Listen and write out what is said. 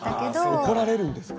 あ怒られるんですか。